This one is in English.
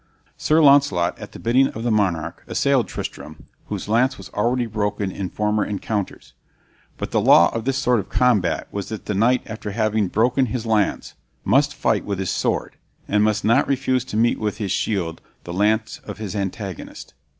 Sir Launcelot, at the bidding of the monarch, assailed Tristram, whose lance was already broken in former encounters. But the law of this sort of combat was that the knight after having broken his lance must fight with his sword, and must not refuse to meet with his shield the lance of his antagonist.